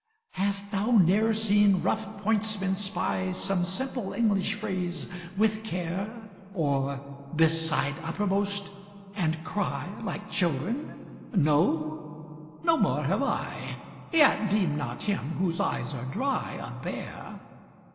Hast thou ne'er seen rough pointsmen spy Some simple English phrase "With care" Or "This side uppermost" and cry Like children? No? No more have I. Yet deem not him whose eyes are dry A bear.